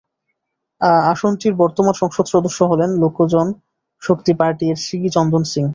আসনটির বর্তমান সংসদ সদস্য হলেন লোক জন শক্তি পার্টি-এর শ্রী চন্দন সিং।